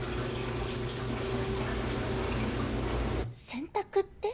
洗濯って？